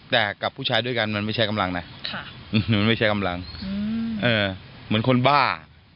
แต่กับผู้ชายด้วยกันมันไม่ใช่กำลังนะมันไม่ใช่กำลังเหมือนคนบ้า